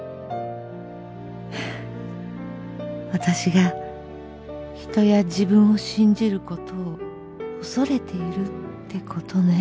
「私が人や自分を信じる事を恐れてるって事ね」。